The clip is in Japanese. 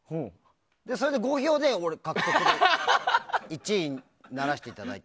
それで５票で１位にならせていただいた。